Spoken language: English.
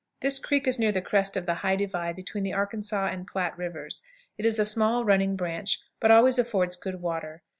This creek is near the crest of the high divide between the Arkansas and Platte Rivers. It is a small running branch, but always affords good water.